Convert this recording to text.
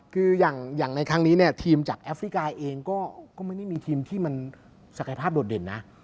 คืออย่างในครั้งนี้เนี่ยทีมจากแอฟริกาเองก็ไม่ได้มีทีมที่มันศักยภาพโดดเด่นนะ